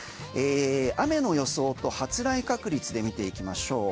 雨の予想と発雷確率で見ていきましょう。